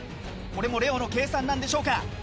これもレオの計算なんでしょうか。